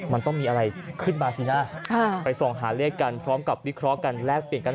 มันต้องมีอะไรขึ้นมาสินะไปส่องหาเลขกันพร้อมกับวิเคราะห์กันแลกเปลี่ยนกัน